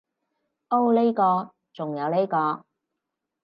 噢呢個，仲有呢個